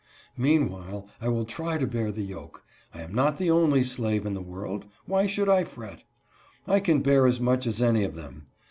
Meanwhile I will try to bear the yoke. I am not the only slave in the world. Why should I fret? I can bear as much as any of them.